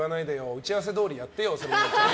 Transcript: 打ち合わせどおりやってよ。